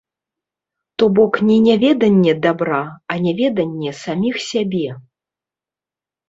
То бок не няведанне дабра, а няведанне саміх сябе.